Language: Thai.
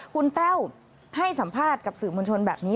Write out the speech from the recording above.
คุณแต้วให้สัมภาษณ์กับสื่อมวลชนแบบนี้